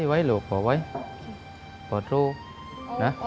ไหวลูกก็ไหวโปรดลูก